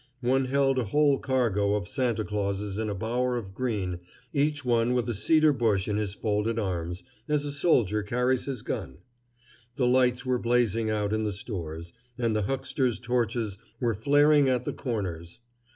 One held a whole cargo of Santa Clauses in a bower of green, each one with a cedar bush in his folded arms, as a soldier carries his gun. The lights were blazing out in the stores, and the hucksters' torches were flaring at the corners.